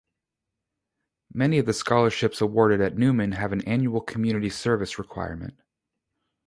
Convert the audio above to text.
Many of the scholarships awarded at Newman have an annual community service requirement.